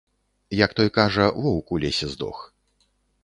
Як той кажа, воўк у лесе здох.